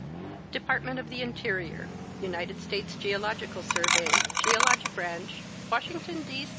Department of the Interior, United States Geological Survey, Geologic Branch, Washington, D.